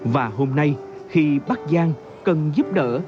và hôm nay khi bác giang cần giúp đỡ